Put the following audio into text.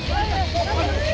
hei mau buktinya